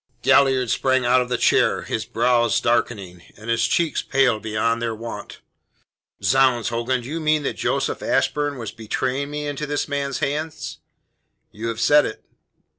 Galliard sprang out of the chair, his brows darkening, and his cheeks pale beyond their wont. "Zounds, Hogan, do you mean that Joseph Ashburn was betraying me into this man's hands?" "You have said it."